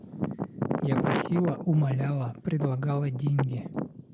Я просила, умоляла, предлагала деньги.